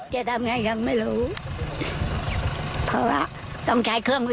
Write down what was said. เนี่ยยายก็จะนอนคุม